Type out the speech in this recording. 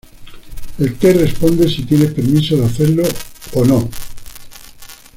El te responde si tienes permiso de hacerlo o no.